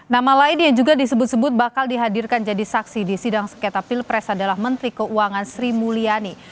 nama lain yang juga disebut sebut bakal dihadirkan jadi saksi di sidang sengketa pilpres adalah menteri keuangan sri mulyani